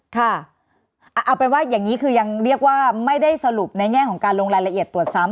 ค่ะเอาเป็นว่าอย่างนี้คือยังเรียกว่าไม่ได้สรุปในแง่ของการลงรายละเอียดตรวจซ้ำ